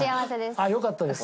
あっよかったです